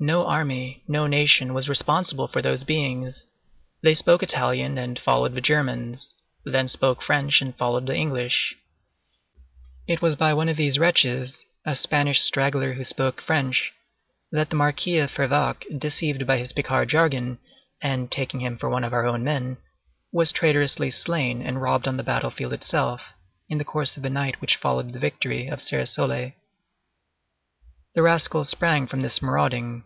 No army, no nation, was responsible for those beings; they spoke Italian and followed the Germans, then spoke French and followed the English. It was by one of these wretches, a Spanish straggler who spoke French, that the Marquis of Fervacques, deceived by his Picard jargon, and taking him for one of our own men, was traitorously slain and robbed on the battle field itself, in the course of the night which followed the victory of Cerisoles. The rascal sprang from this marauding.